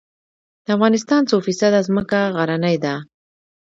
د افغانستان څو فیصده ځمکه غرنۍ ده؟